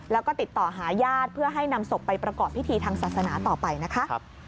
แล้วก็ติดต่อหาญาติเพื่อให้นำศพไปประกอบพิธีทางศาสนาต่อไปนะคะ